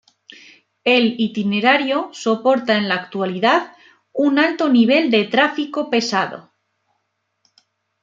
El itinerario soporta en la actualidad un alto nivel de tráfico pesado.